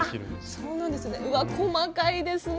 そうなんですね